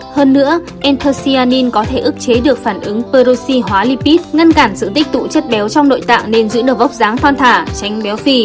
hơn nữa anthocyanin có thể ức chế được phản ứng peroxy hóa lipid ngăn cản sự tích tụ chất béo trong nội tạng nên giữ được vốc dáng thoan thả tránh béo phì